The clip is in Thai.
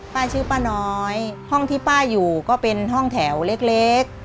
ป้าชื่อป้าน้อยห้องที่ป้าอยู่ก็เป็นห้องแถวเล็ก